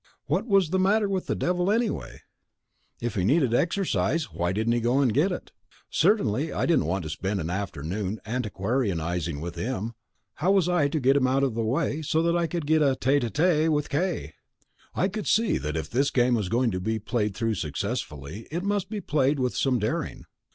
What was the matter with the devil, anyway? If he needed exercise why didn't he go and get it? Certainly I didn't want to spend an afternoon antiquarianizing with him. How was I to get him out of the way, so that I could get a tete a tete with K.? I could see that if this game was to be played through successfully it must be played with some daring.